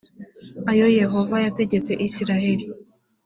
ayo yehova yategetse isirayeli